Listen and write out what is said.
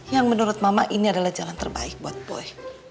yang menurut mama ini adalah jalan terbaik buat boy